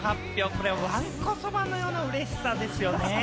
これ、わんこそばのような嬉しさですよね。